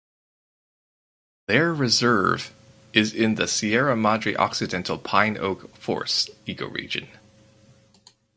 There reserve is in the Sierra Madre Occidental pine–oak forests ecoregion.